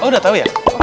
oh udah tau ya